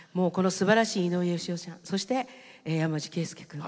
すばらしい井上芳雄さんそして山内惠介君